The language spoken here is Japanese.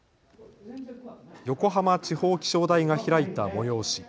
横浜地方気象台が開いた催し。